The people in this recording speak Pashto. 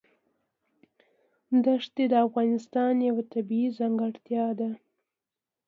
دښتې د افغانستان یوه طبیعي ځانګړتیا ده.